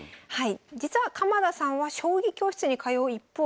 実は鎌田さんは将棋教室に通う一方